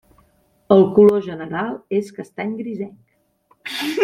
El color general és castany grisenc.